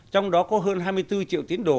trong đó có hơn hai mươi bốn triệu tiến đồ